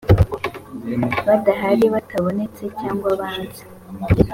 badahari batabonetse cyangwa banze